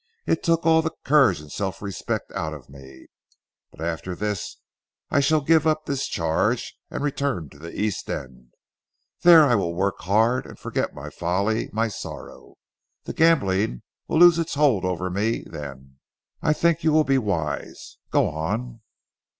It took all the courage and self respect out of me. But after this I shall give up this charge and return to the East End. There I will work hard and forget my folly, my sorrow. The gambling will lose its hold over me then." "I think you will be wise. Go on."